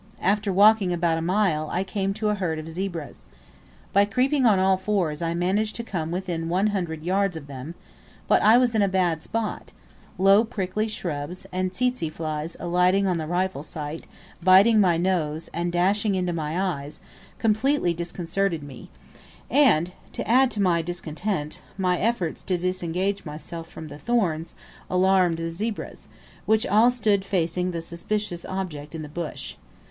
After walking about a mile I came to a herd of zebras. By creeping on all fours I managed to come within one hundred yards of them; but I was in a bad spot low prickly shrubs; and tsetse flies alighting on the rifle sight, biting my nose, and dashing into my eyes, completely disconcerted me; and, to add to my discontent, my efforts to disengage myself from the thorns, alarmed the zebras, which all stood facing the suspicious object in the bush.